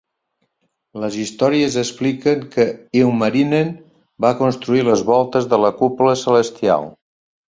Les històries expliquen que Ilmarinen va construir les voltes de la cúpula celestial.